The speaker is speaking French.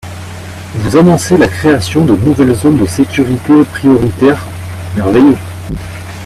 Vous annoncez la création de nouvelles zones de sécurité prioritaire, merveilleux